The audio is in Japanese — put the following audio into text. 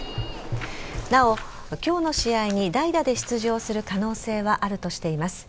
なお、今日の試合に代打で出場する可能性はあるとしています。